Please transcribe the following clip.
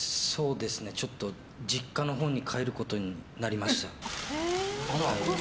ちょっと実家のほうに帰ることになりました。